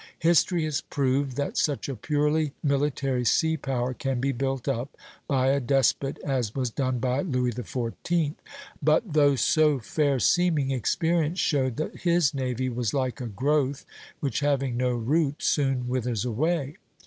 History has proved that such a purely military sea power can be built up by a despot, as was done by Louis XIV.; but though so fair seeming, experience showed that his navy was like a growth which having no root soon withers away.